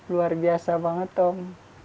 luar biasa banget om